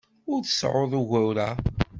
Ur tseɛɛuḍ ugur-a.